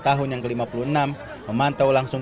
tahun yang ke lima puluh enam memantau langsung